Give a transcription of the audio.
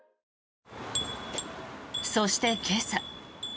そして今朝。